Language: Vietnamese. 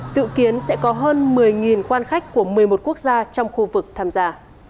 dự kiến sẽ có hơn một mươi quan khách của một mươi một quốc gia trong khu vực tham gia